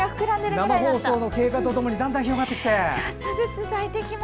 生放送の経過とともにだんだん広がってきて。